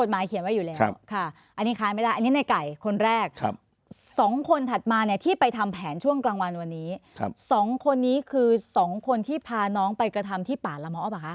กฎหมายเขียนไว้อยู่แล้วค่ะอันนี้ค้านไม่ได้อันนี้ในไก่คนแรกครับสองคนถัดมาเนี่ยที่ไปทำแผนช่วงกลางวันวันนี้ครับสองคนนี้คือสองคนที่พาน้องไปกระทำที่ป่านละม้อป่ะคะ